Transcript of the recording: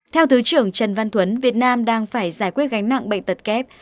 theo thứ trưởng trần văn thuấn việt nam đang phải giải quyết gánh nặng bệnh tật kép